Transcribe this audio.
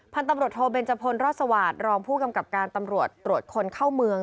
พันธุ์ตำรวจโทเบนจพลรอดสวาสตรองผู้กำกับการตำรวจตรวจคนเข้าเมือง